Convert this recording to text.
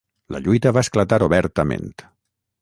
La lluita va esclatar obertament.